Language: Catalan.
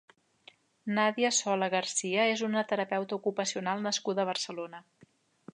Nadia Sola García és una terapeuta ocupacional nascuda a Barcelona.